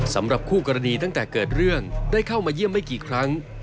สำหรับคู่กรณีตั้งแต่เกิดเรื่องได้เข้ามาเยี่ยมไม่กี่ครั้ง